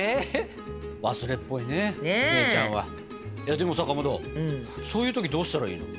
でもさかまどそういう時どうしたらいいの？